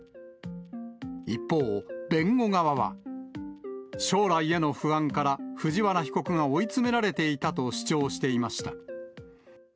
一方、弁護側は、将来への不安から、藤原被告が追い詰められていたと主張していました。